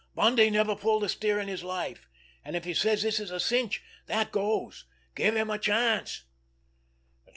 Bundy never pulled a steer in his life, an' if he says this is a cinch—that goes! Give him a chance!"